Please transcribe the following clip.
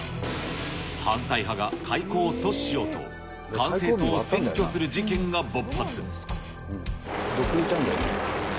反対派が開港を阻止しようと、管制塔を占拠する事件が勃発。